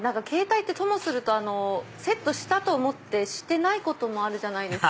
ケータイってともするとセットしたと思ってしてないこともある。